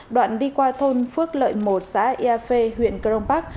đoạn đi qua thôn phước lợi một xã yafê huyện cờ rồng bắc